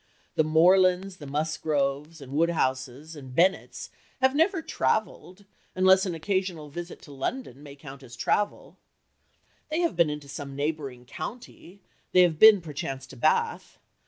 The Morlands, and Musgroves, and Woodhouses, and Bennets have never travelled, unless an occasional visit to London may count as travel. They have been into some neighbouring county, they have been perchance to Bath.